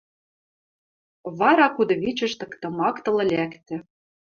Вара кудывичӹш тыктымактыл лӓктӹ.